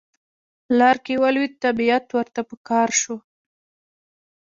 لار کې ولوید طبیعت ورته په قار شو.